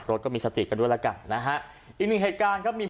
ก็มีสติกันด้วยแล้วกันนะฮะอีกหนึ่งเหตุการณ์ครับมี